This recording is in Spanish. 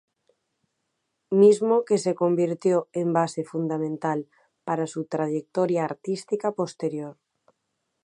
Mismo que se convirtió en base fundamental para su trayectoria artística posterior.